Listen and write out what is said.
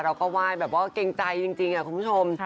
เราก็ไหว้แบบว่าเกรงใจจริงคุณผู้ชม